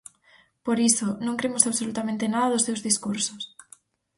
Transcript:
Por iso, non cremos absolutamente nada dos seus discursos.